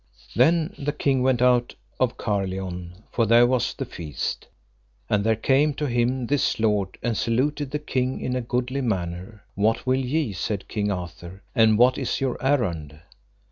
Then the king went out of Carlion, for there was the feast, and there came to him this lord, and saluted the king in a goodly manner. What will ye, said King Arthur, and what is your errand?